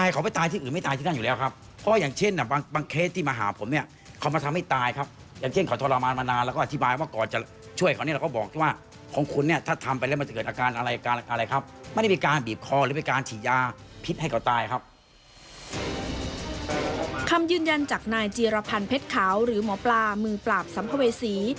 คำยืนยันจากนายจีรพันธ์เพชรขาวหรือหมอปลามือปราบสัมภเวษีที่มีกรณีพิพาทกับกลุ่มร่างทรง